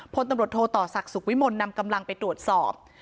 พลตำรวจโทต่อศักดิ์สุขวิมลนำกำลังไปตรวจสอบ